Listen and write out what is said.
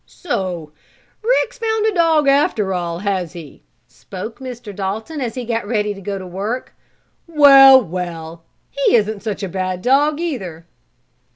"So Rick's found a dog after all; has he?" spoke Mr. Dalton, as he got ready to go to work. "Well! Well! He isn't such a bad dog, either."